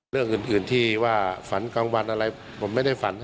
เรื่องอื่นที่ว่าฝันกลางวันอะไรผมไม่ได้ฝัน